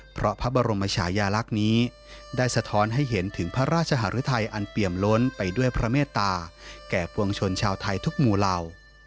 เพราะพระบรมชายาลักษณ์นี้ได้สะท้อนให้เห็นถึงพระราชหารุทัยอันเปี่ยมล้นไปด้วยพระเมตตาแก่ปวงชนชาวไทยทุกหมู่เหล่า